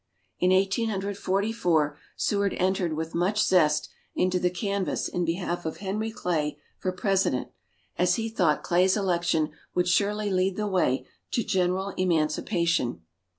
In Eighteen Hundred Forty four, Seward entered with much zest into the canvass in behalf of Henry Clay for President, as he thought Clay's election would surely lead the way to general emancipation.